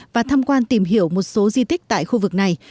và thăm quan tìm hiểu một số di tích tại khu vực này